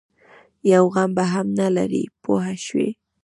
یو غم به هم نه لري پوه شوې!.